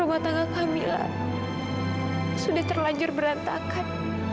rumah tangga kamila sudah terlanjur berantakan